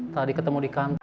tadi ketemu di kantor